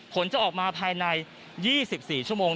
ผลจะออกมาภายใน๒๔ชั่วโมง